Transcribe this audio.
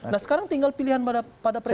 nah sekarang tinggal pilihan pada presiden